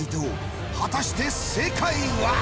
果たして正解は。